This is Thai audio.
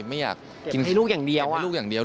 ไม่อยากเก็บให้ลูกอย่างเดียวอะ